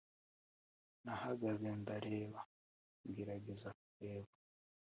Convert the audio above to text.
nahagaze ndareba ngerageza kureba